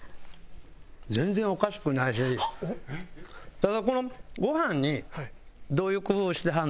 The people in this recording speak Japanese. ただこのご飯にどういう工夫してはるの？